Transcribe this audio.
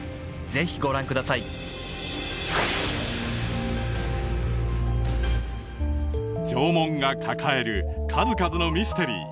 ぜひご覧ください縄文が抱える数々のミステリー